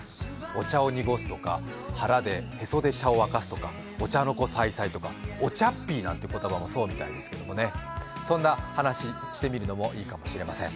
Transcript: お茶を濁すとかへそで茶を沸かすとかお茶の子さいさいとかおちゃっぴーなんて言葉もそうかもしれないですがそんな話してみるのもいいかもしれません。